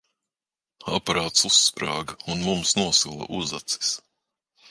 Aparāts uzsprāga, un mums nosvila uzacis.